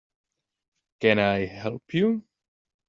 Can I help you?